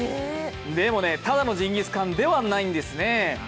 でもね、ただのジンギスカンではないんですね。